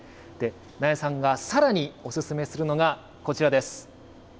那谷さんがさらにお勧めするのがこちらです。